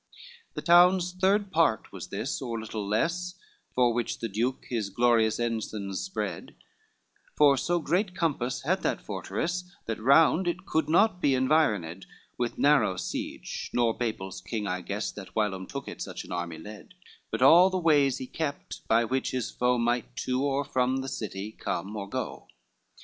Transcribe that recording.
LXV The town's third part was this, or little less, Fore which the duke his glorious ensigns spread, For so great compass had that forteress, That round it could not be environed With narrow siege—nor Babel's king I guess That whilom took it, such an army led— But all the ways he kept, by which his foe Might to or from the city come or go.